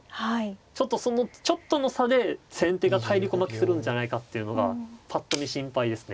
そのちょっとの差で先手が体力負けするんじゃないかっていうのがぱっと見心配ですね。